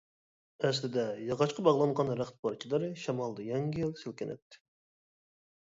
ئەسلىدە ياغاچقا باغلانغان رەخت پارچىلىرى شامالدا يەڭگىل سىلكىنەتتى.